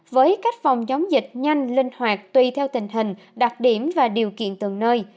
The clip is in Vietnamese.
với cách phòng chống dịch nhanh linh hoạt tùy theo tình hình đặc điểm và điều kiện từng nơi